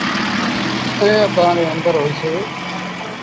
ائيٚݩٚ اڀآنٚ ري اندر هوئيٚسي۔